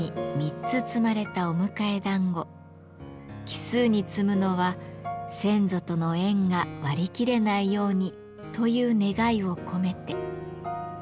奇数に積むのは「先祖との縁が割り切れないように」という願いを込めて。